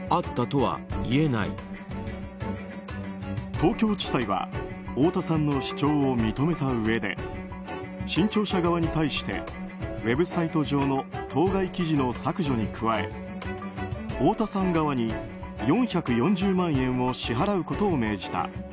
東京地裁は太田さんの主張を認めたうえで新潮社側に対してウェブサイト上の当該記事の削除に加え太田さん側に４４０万円を支払うことを命じた。